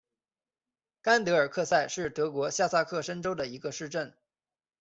甘德尔克塞是德国下萨克森州的一个市镇。